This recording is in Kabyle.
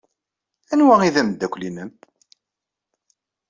Anwa ay d ameddakel-nnem?